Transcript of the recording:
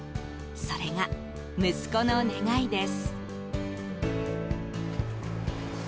それが息子の願いです。